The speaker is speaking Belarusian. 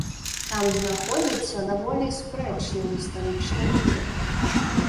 Там знаходзіцца даволі спрэчны гістарычны аб'ект.